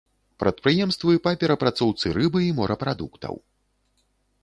Прадпрыемствы па перапрацоўцы рыбы і морапрадуктаў.